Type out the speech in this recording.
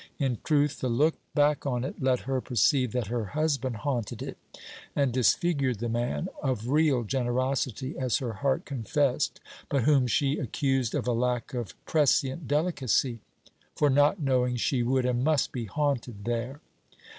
In truth, the look back on it let her perceive that her husband haunted it, and disfigured the man, of real generosity, as her heart confessed, but whom she accused of a lack of prescient delicacy, for not knowing she would and must be haunted there.